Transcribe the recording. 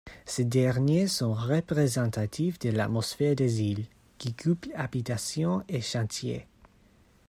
Ces derniers sont représentatifs de l'atmosphère des îles, qui couplent habitations et chantiers.